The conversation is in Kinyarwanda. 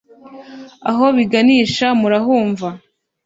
aho biganisha murahumva